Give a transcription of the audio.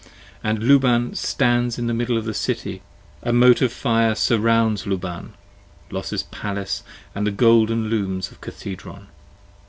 And Luban stands in middle of the City: a moat of fire, 25 Surrounds Luban, Los's Palace & the golden Looms of Cathedron.